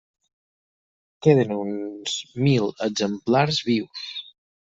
Queden uns mil exemplars vius.